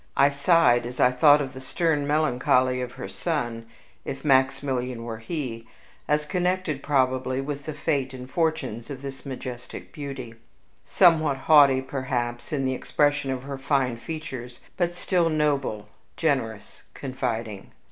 I sighed as I thought of the stern melancholy of her son, if Maximilian were he, as connected, probably, with the fate and fortunes of this majestic beauty; somewhat haughty, perhaps, in the expression of her fine features, but still noble generous confiding.